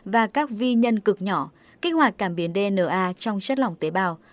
và các vi nhân cực nhỏ kích hoạt cảm biến dna trong chất lỏng tế bào